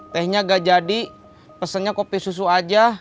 tehnya gak jadi pesennya kopi susu aja